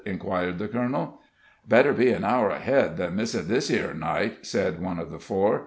inquired the colonel. "Better be an hour ahead than miss it this 'ere night," said one of the four.